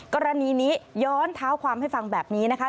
กรณีนี้ย้อนเท้าความให้ฟังแบบนี้นะคะ